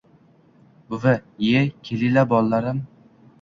Buvi: iye kelilar bollarim